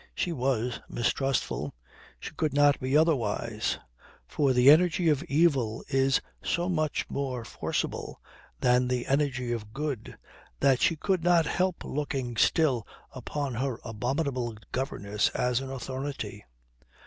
She was mistrustful; she could not be otherwise; for the energy of evil is so much more forcible than the energy of good that she could not help looking still upon her abominable governess as an authority.